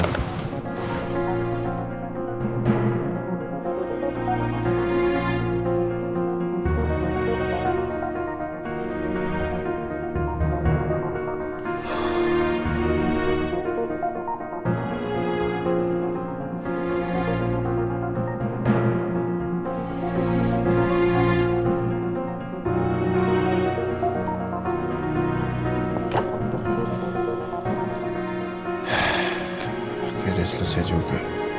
apa butuh nyariq